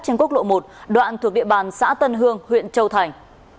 trên quốc lộ một đoạn thuộc địa bàn xã tân hương huyện châu thành